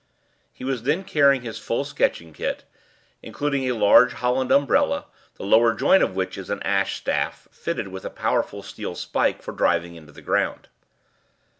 He was then carrying his full sketching kit, including a large holland umbrella, the lower joint of which is an ash staff fitted with a powerful steel spike for driving into the ground.